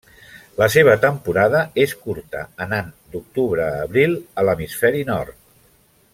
La seva temporada és curta anant d'octubre a abril a l'hemisferi nord.